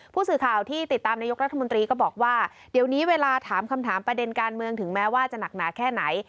ผู้สื่อข่าวที่ติดตามนายกรัฐมนตรีก็บอกว่าเดี๋ยวนี้เวลาถามคำถามประเด็นการเมืองถึงแม้ว่าจะหนักหนาแค่ไหน